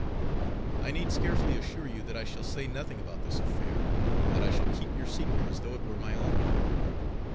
I need scarcely assure you that I shall say nothing about this affair, and that I shall keep your secret as though it were my own.